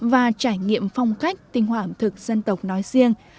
và trải nghiệm phong cách tinh hoa ẩm thực dân tộc nói riêng